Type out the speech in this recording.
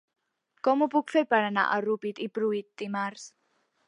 Com ho puc fer per anar a Rupit i Pruit dimarts?